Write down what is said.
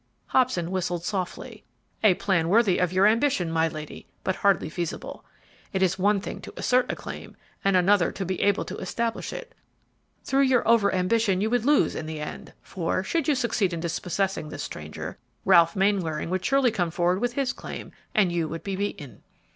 Hobson whistled softly. "A plan worthy of your ambition, my lady, but hardly feasible. It is one thing to assert a claim, and another to be able to establish it. Through your over ambition you would lose in the end, for, should you succeed in dispossessing this stranger, Ralph Mainwaring would surely come forward with his claim, and you would be beaten."